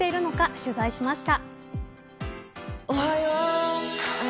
取材しました。